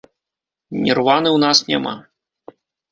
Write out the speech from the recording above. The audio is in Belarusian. Нірваны ў нас няма!